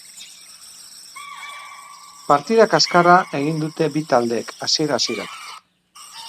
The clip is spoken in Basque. Partida kaskarra egin dute bi taldeek, hasiera-hasieratik.